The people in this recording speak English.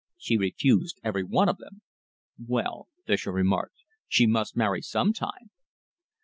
She refused every one of them." "Well," Fischer remarked, "she must marry some time."